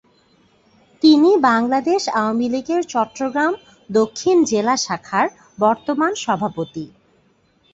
তিনি বাংলাদেশ আওয়ামী লীগের চট্টগ্রাম দক্ষিণ জেলা শাখার বর্তমান সভাপতি।